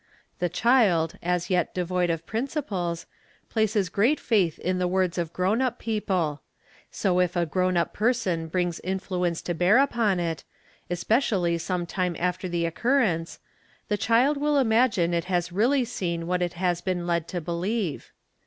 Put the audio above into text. The child, as yet devoid of principles, places great faith in the words of grown up people;. so if a grown up person brings influence to bear on it, especially some time after the occurrence, the child will imagine it has really seen what it has beet led to believe.